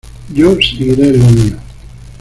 yo seguiré el mío.